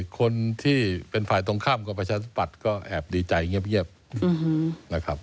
คนที่เป็นฝ่ายตรงข้ามกับประชาธิปัตย์ก็แอบดีใจเงียบนะครับ